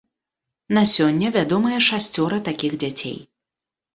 На сёння вядомыя шасцёра такіх дзяцей.